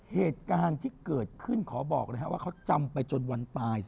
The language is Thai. เหตุการณ์ที่เกิดขึ้นขอบอกเลยครับว่าเขาจำไปจนวันตาย